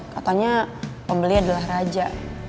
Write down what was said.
katanya pembeli adalah raja